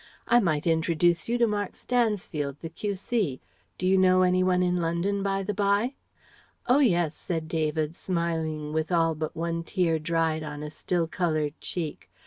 I might introduce you to Mark Stansfield the Q.C. Do you know any one in London, by the bye?" "Oh yes," said David, smiling with all but one tear dried on a still coloured cheek.